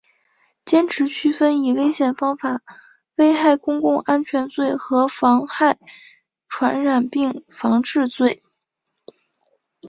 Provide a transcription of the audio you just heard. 坚持区分以危险方法危害公共安全罪和妨害传染病防治罪